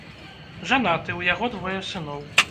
Жанаты, у яго двое сыноў.